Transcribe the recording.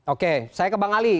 oke saya ke bang ali